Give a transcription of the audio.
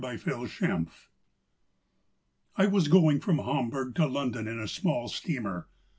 ON THE SEA I WAS going from Hamburg to London in a small steamer.